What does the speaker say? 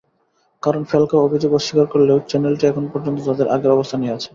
কারণ ফ্যালকাও অভিযোগ অস্বীকার করলেও চ্যানেলটি এখন পর্যন্ত তাদের আগের অবস্থানেই আছে।